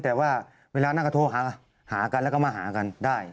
แต่ว่าเวลานั่งก็โทรหากันแล้วก็มาหากันได้